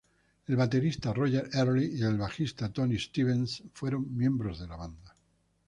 El baterista Roger Early y bajista Tony Stevens fueron miembros de la banda.